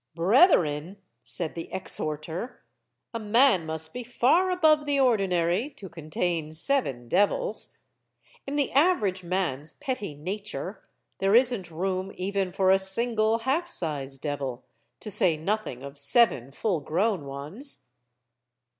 '* "Brethren," said the exhorter, "a man must be far above the ordinary, to contain seven devils. In the average man's petty nature there isn't room even for a single half size devil, to say nothing of seven full grown ones."